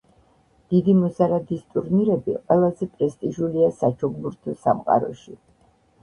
დიდი მუზარადის ტურნირები ყველაზე პრესტიჟულია საჩოგბურთო სამყაროში.